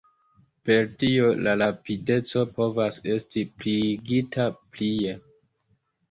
Per tio la rapideco povas esti pliigita plie.